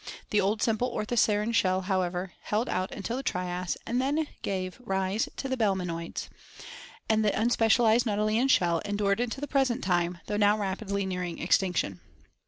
The old simple orthoceran shell, however, held out until the Trias, and then gave 432 ORGANIC EVOLUTION rise to the belemnoids, and the unspecialized nautilian shell en dured until the present time, though now rapidly nearing extinction.